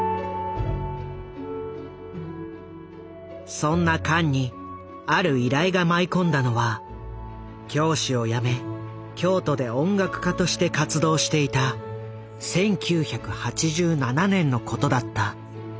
そんなカンにある依頼が舞い込んだのは教師を辞め京都で音楽家として活動していた１９８７年のことだった。